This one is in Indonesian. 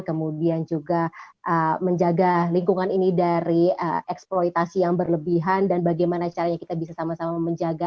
kemudian juga menjaga lingkungan ini dari eksploitasi yang berlebihan dan bagaimana caranya kita bisa sama sama menjaga